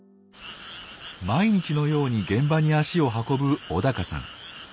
毎日のように現場に足を運ぶ尾さん。